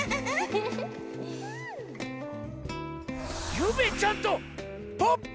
ゆめちゃんとポッポ？